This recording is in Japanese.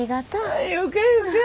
ああよかよか。